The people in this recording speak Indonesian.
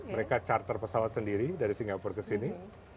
mereka charter pesawat sendiri dari singapura ke sini